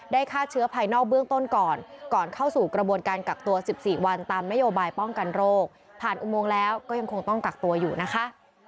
ฆ่าเชื้อภายนอกเบื้องต้นก่อนก่อนเข้าสู่กระบวนการกักตัว๑๔วันตามนโยบายป้องกันโรคผ่านอุโมงแล้วก็ยังคงต้องกักตัวอยู่นะคะ